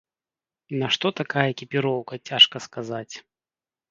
Нашто такая экіпіроўка, цяжка сказаць.